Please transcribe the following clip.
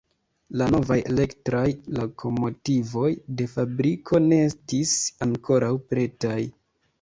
La novaj elektraj lokomotivoj de fabriko ne estis ankoraŭ pretaj.